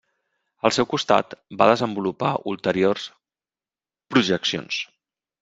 Al seu costat, va desenvolupar ulteriors projeccions.